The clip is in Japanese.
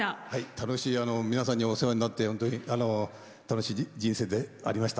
楽しい皆さんにお世話になって楽しい人生でありました。